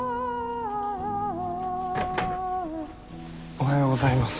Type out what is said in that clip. おはようございます。